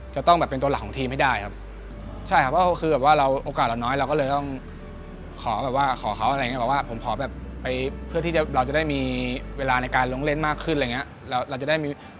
จะต้องแบบเป็นตัวหลักของทีมให้ได้ครับเราขอเราให้ไปเพื่อที่เราจะได้มีเวลาในการลงเล่นมากขึ้นอะไรเงี้ย